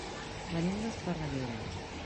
Venim d'Esparreguera.